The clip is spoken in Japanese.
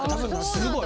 すごい！